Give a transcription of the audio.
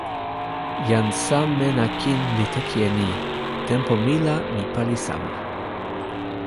jan Sa Mena Kin li toki e ni: "tenpo mi la mi pali sama".